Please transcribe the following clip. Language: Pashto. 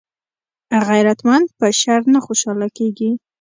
غیرتمند په شر نه خوشحاله کېږي